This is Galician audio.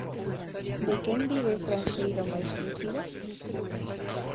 De quen vive estranxeiro mais lúcido.